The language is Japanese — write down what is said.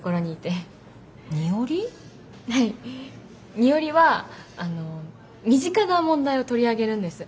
二折はあの身近な問題を取り上げるんです。